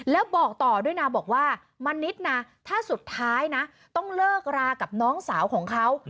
แล้วบอกต่อด้วยนะบอกว่ามณิษฐ์นะถ้าสุดท้ายนะต้องเลิกรากับน้องสาวของเขา